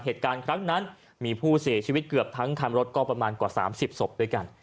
เหตุการณ์ครั้งนั้นมีผู้เสียชีวิตเกือบทั้งคันรถก็ประมาณกว่า๓๐ศพด้วยกัน